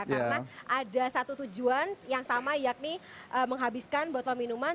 karena ada satu tujuan yang sama yakni menghabiskan botol minuman